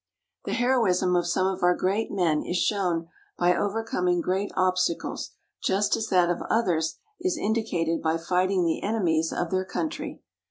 The heroism of some of our great men is shown by overcoming great obstacles just as that of others is indicated by fighting the enemies of their country.